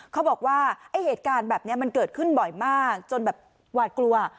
เขาบอกว่าไอ้เหตุการณ์แบบนี้มันเกิดขึ้นบ่อยมากจนแบบหวาดกลัว